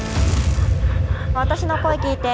私の声聞いて。